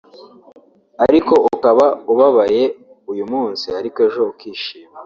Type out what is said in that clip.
ariko ukaba ubabaye uyu munsi ariko ejo ukishima